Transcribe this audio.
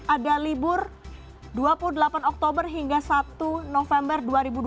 ada libur dua puluh delapan oktober hingga satu november dua ribu dua puluh